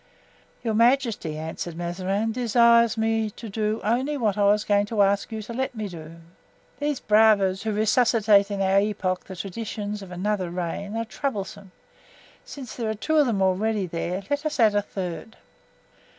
"Your majesty," answered Mazarin, "desires me to do only what I was going to ask you to let me do. These bravoes who resuscitate in our epoch the traditions of another reign are troublesome; since there are two of them already there, let us add a third."